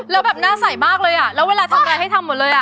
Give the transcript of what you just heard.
แล้วกลับหน้าใสมากเลยแล้วเวลาทำไรให้ทำหมดเลย